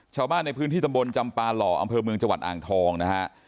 ชาวบ้านในพื้นที่ตำบลจำปาหล่ออำเภอเมืองจังหวัดอ่างทองนะฮะ